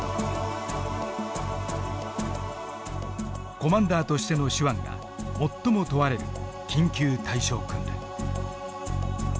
コマンダーとしての手腕が最も問われる緊急対処訓練。